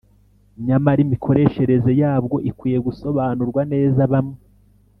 Nyamara imikoreshereze yabwo ikwiye gusobanurwa neza Bamwe